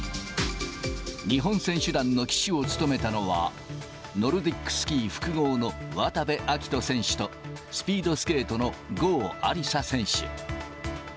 日本選手団の旗手を務めたのは、ノルディックスキー複合の渡部暁斗選手と、スピードスケートの郷亜里砂選手。